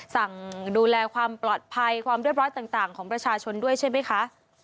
สั่งดูแลความปลอดภัยความเรียบร้อยต่างของประชาชนด้วยใช่ไหมคะ